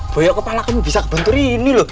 boyok kepala kamu bisa kebentur ini loh